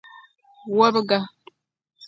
wɔbiga.